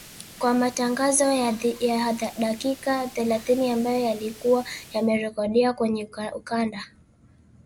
kwa matangazo ya dakika thelathini ambayo yalikuwa yamerekodiwa kwenye ukanda